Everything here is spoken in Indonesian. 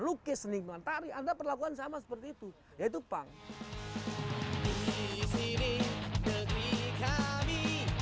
lukis seniman tarik anda perlakuan sama seperti itu yaitu pang di sini